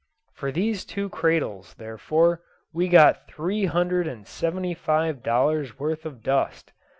For these two cradles, therefore, we got three hundred and seventy five dollars' worth of dust.